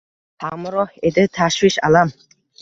Hamroh edi tashvish, alam